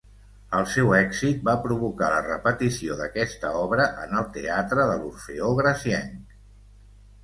El seu èxit va provocar la repetició d'aquesta obra en el teatre de l'Orfeó Gracienc.